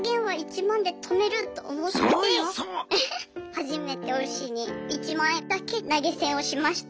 初めて推しに１万円だけ投げ銭をしました。